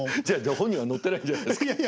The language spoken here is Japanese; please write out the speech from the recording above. じゃあ本人は乗ってないじゃないすか。